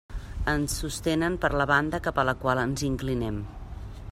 Ens sostenen per la banda cap a la qual ens inclinem.